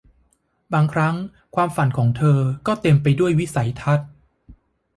บางครั้งความฝันของเธอก็เต็มไปด้วยวิสัยทัศน์